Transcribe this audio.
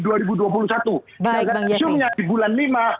dan alat visumnya di bulan lima